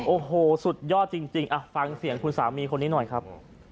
โอ้โหสุดยอดจริงฟังเสียงคุณสามีคนนี้หน่อยครับ